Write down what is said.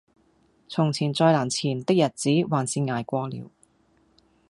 從前再難纏的日子還是捱過了